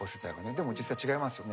でも実際は違いますよね。